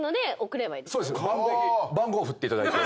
番号振っていただいて。